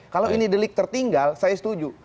kalau ini delik tertinggal saya setuju